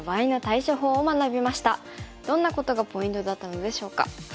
どんなことがポイントだったのでしょうか。